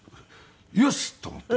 よし！と思って。